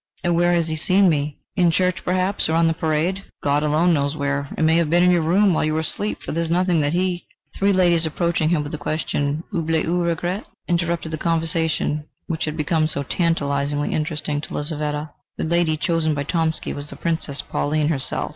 "And where has he seen me?" "In church, perhaps; or on the parade God alone knows where. It may have been in your room, while you were asleep, for there is nothing that he " Three ladies approaching him with the question: "oubli ou regret?" interrupted the conversation, which had become so tantalisingly interesting to Lizaveta. The lady chosen by Tomsky was the Princess Pauline herself.